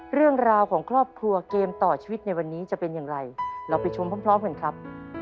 เรื่องราวของครอบครัวเกมต่อชีวิตในวันนี้จะเป็นอย่างไรเราไปชมพร้อมกันครับ